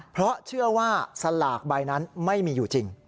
เพราะเชื่อว่าสลากใบนั้นไม่มีอยู่จริง